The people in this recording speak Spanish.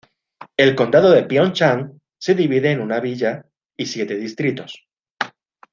El condado de Pieonchang se divide en una villa y siete distritos.